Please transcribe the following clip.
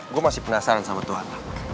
gue masih penasaran sama tuhan